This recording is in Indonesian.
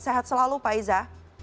sehat selalu pak iza